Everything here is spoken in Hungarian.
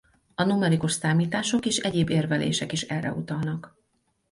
A numerikus számítások és egyéb érvelések is erre utalnak.